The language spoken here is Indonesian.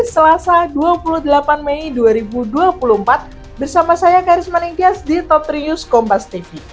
selasa dua puluh delapan mei dua ribu dua puluh empat bersama saya karisma ningtyas di top trius kompas tv